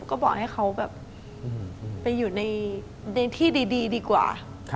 ก็บอกให้เขาแบบไปอยู่ในที่ดีดีกว่า